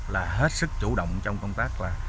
là hết sức chủ động trong công tác